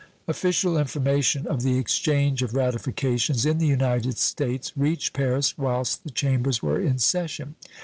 Official information of the exchange of ratifications in the United States reached Paris whilst the Chambers were in session.